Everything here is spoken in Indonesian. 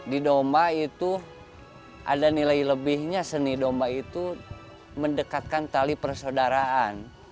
di domba itu ada nilai lebihnya seni domba itu mendekatkan tali persaudaraan